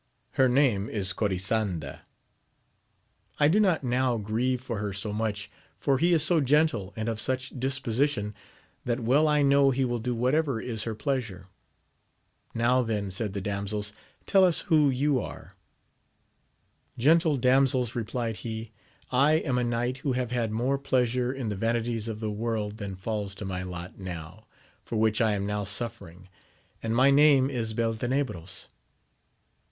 — Her name is Cori sanda. I do not now grieve for her so much, for he is so gentle and of such disposition, that well I know he will do whatever is her pleasure. Now then, said the damsels, tell us who you are. Gentle damsels, replied he, I am a knight who have had more pleasure in the vanities of the world than falls to my lot i 302 AMADIS OF GAUL. for which I am now suffering, and my name is Belte nebro3.